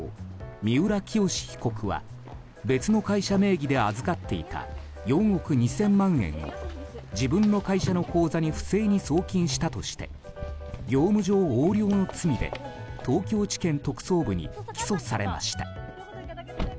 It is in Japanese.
三浦清志被告は別の会社名義で預かっていた４億２０００万円を自分の会社の口座に不正に送金したとして業務上横領の罪で東京地検特捜部に起訴されました。